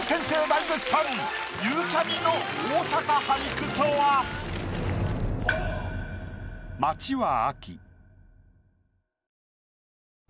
大絶賛ゆうちゃみの大阪俳句とは？